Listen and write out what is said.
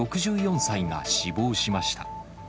６４歳が死亡しました。